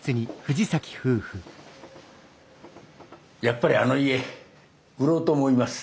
やっぱりあの家売ろうと思います。